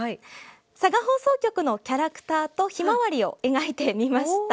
佐賀放送局のキャラクターとヒマワリを描いてみました。